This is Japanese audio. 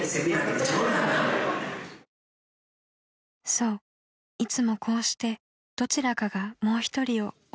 ［そういつもこうしてどちらかがもう一人を押してきたのです］